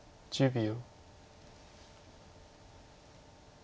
１０秒。